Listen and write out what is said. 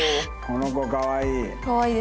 この子かわいい。